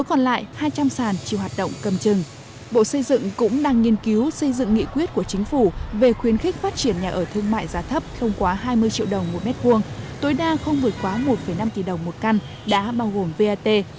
các bộ xây dựng cũng đang nghiên cứu xây dựng nghị quyết của chính phủ về khuyến khích phát triển nhà ở thương mại giá thấp không quá hai mươi triệu đồng một mét vuông tối đa không vượt quá một năm tỷ đồng một căn đã bao gồm vat